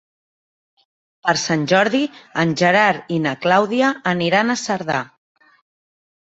Per Sant Jordi en Gerard i na Clàudia aniran a Cerdà.